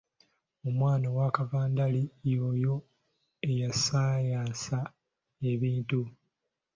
Omwana owa kavandali y'oyo ayasaayasa ebintu.